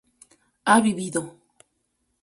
ha vivido